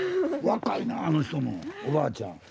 若いなあの人もおばあちゃん。